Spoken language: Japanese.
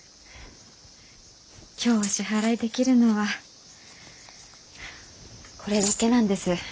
今日お支払いできるのはこれだけなんです。